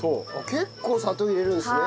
結構砂糖入れるんすね。